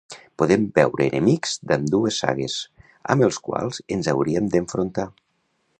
Podem veure enemics d'ambdues sagues, amb els quals ens hauríem d'enfrontar.